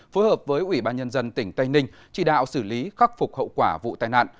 phối hợp với ủy ban nhân dân tỉnh tây ninh chỉ đạo xử lý khắc phục hậu quả vụ tai nạn